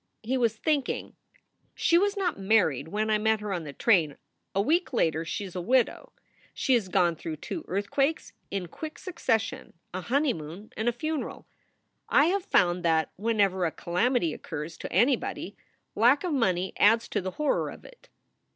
He was thinking: "She was not married when I met her on the train; a week later she is a widow. She has gone through two earthquakes in quick succession a honeymoon and a funeral. I have found that, whenever a calamity occurs to anybody, lack of money adds to the horror of it."